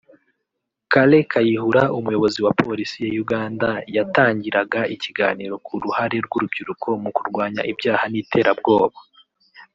Kale Kayihura Umuyobozi wa Polisi ya Uganda yatangiraga ikiganiro ku ruhare rw’urubyiruko mu kurwanya ibyaha n’iterabwoba